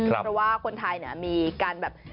เพราะว่าคนไทยมีการแบบ